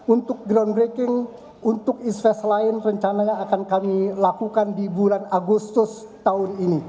untuk groundbreaking untuk event lain rencananya akan kami lakukan di bulan agustus tahun ini